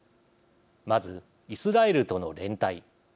まず、イスラエルとの連帯。